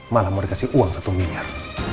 malah mau dikasih uang satu miliar